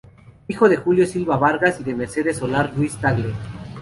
Hijo de Julio Silva Vargas y de Mercedes Solar Ruiz-Tagle.